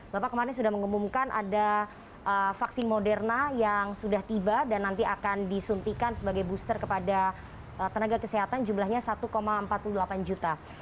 bapak kemarin sudah mengumumkan ada vaksin moderna yang sudah tiba dan nanti akan disuntikan sebagai booster kepada tenaga kesehatan jumlahnya satu empat puluh delapan juta